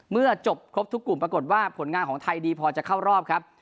เมื่อจบครบทุกกลุ่มปรากฏว่าผลงานของไทยดีพอจะเข้ารอบครับ